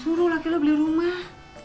suruh laki laki beli rumah